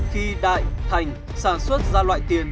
khi đại thành sản xuất ra loại tiền